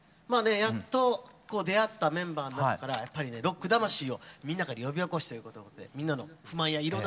やっとこう出会ったメンバーの中からやっぱりねロック魂をみんなから呼び起こしていこうと思ってみんなの不満やいろんなストレスをね